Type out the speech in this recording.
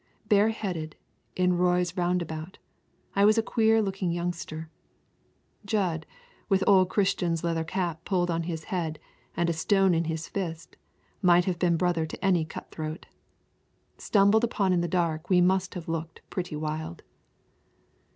Bareheaded, in Roy's roundabout, I was a queer looking youngster. Jud, with old Christian's leather cap pulled on his head and a stone in his fist, might have been brother to any cutthroat. Stumbled upon in the dark we must have looked pretty wild.